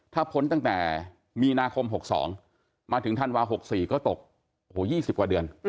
ถ้าพ้นตั้งแต่มีนาคม๖๒มาถึงธันวา๖๔ก็ตก๒๐กว่าเดือน